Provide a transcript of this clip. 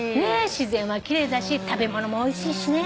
自然は奇麗だし食べ物もおいしいしね。